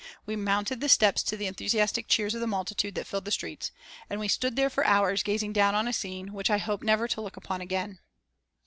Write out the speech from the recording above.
We mounted the steps to the enthusiastic cheers of the multitudes that filled the streets, and we stood there for hours gazing down on a scene which I hope never to look upon again.